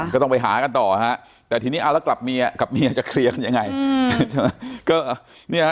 ก็ต้องไปหากันต่อฮะแต่ทีนี้เอาแล้วกลับเมียกับเมียจะเคลียร์กันยังไง